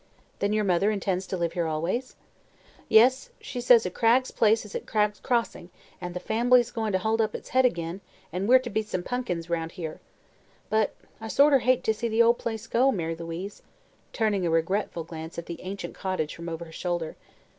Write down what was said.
"Then your mother intends to live here always?" "Yes. She says a Cragg's place is at Cragg's Crossing, and the fambly's goin' to hold up its head ag'in, an' we're to be some punkins around here. But I sorter hate to see the old place go, Mary Louise," turning a regretful glance at the ancient cottage from over her shoulder.